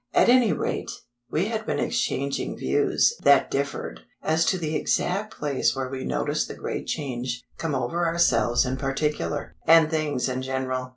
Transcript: At any rate, we had been exchanging views (that differed) as to the exact place where we noticed the great change come over ourselves in particular, and things in general.